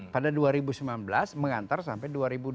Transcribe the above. pada dua ribu sembilan belas mengantar sampai dua ribu dua puluh